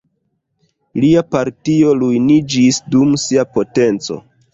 Lia partio ruiniĝis dum sia potenco.